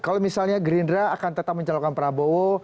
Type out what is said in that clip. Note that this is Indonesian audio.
kalau misalnya gerindra akan tetap mencalonkan prabowo